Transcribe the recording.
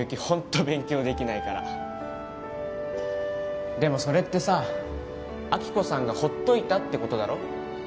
ホント勉強できないからでもそれってさ亜希子さんがほっといたってことだろ？